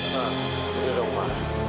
maaf udah dong ma